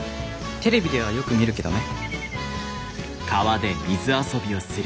テレビではよく見るけどね」。